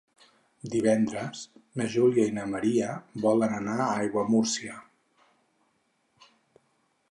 Divendres na Júlia i na Maria volen anar a Aiguamúrcia.